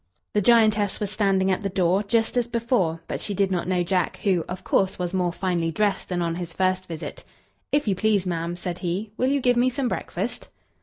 The giantess was standing at the door, just as before, but she did not know Jack, who, of course, was more finely dressed than on his first visit. "If you please, ma'am," said he, "will you give me some breakfast?"